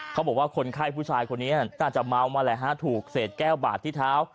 เขาบอกว่าคนไข้ผู้ชายคนนี้น่าจะเมามาแหละฮะถูกเศษแก้วบาดที่เท้า